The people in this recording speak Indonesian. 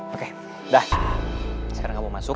oke dah sekarang kamu masuk